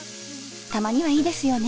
たまにはいいですよね